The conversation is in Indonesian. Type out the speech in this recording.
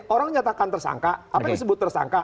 orang nyatakan tersangka apa yang disebut tersangka